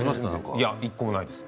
いや１個もないです。